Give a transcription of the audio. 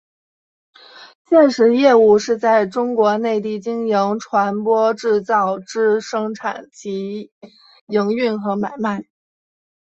现时业务是在中国内地经营船舶制造之生产及营运和买卖。